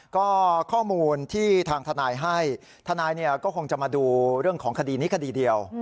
ก็ข้อมูลที่ทางทนายให้ทนายเนี่ยก็คงจะมาดูเรื่องของคดีนี้คดีเดียว